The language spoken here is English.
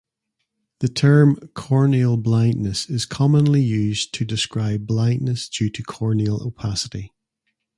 The term "corneal blindness" is commonly used to describe blindness due to corneal opacity.